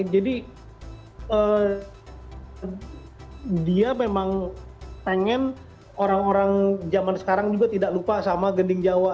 jadi dia memang pengen orang orang zaman sekarang juga tidak lupa sama gending jawa